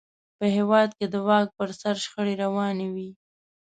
په هېواد کې د واک پر سر شخړې روانې وې.